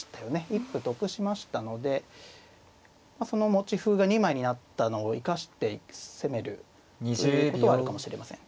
一歩得しましたのでその持ち歩が２枚になったのを生かして攻めるということはあるかもしれません。